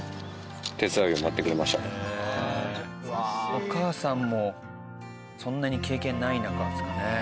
お母さんもそんなに経験ない中ですからね。